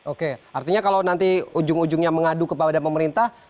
oke artinya kalau nanti ujung ujungnya mengadu kepada pemerintah